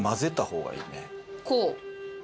こう？